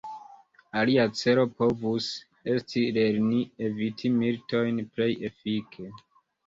Alia celo povus esti lerni eviti militojn plej efike.